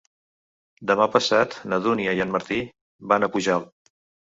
Demà passat na Dúnia i en Martí van a Pujalt.